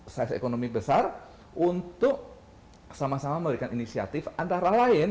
size ekonomi besar untuk sama sama memberikan inisiatif antara lain